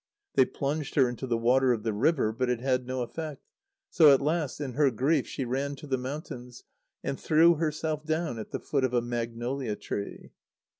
They plunged her into the water of the river, but it had no effect. So at last, in her grief, she ran to the mountains, and threw herself down at the foot of a magnolia tree.